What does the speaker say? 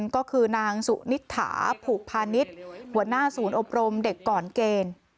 ก็คือนางสุนิษฐาผูกพาณิชย์หัวหน้าศูนย์อบรมเด็กก่อนเกณฑ์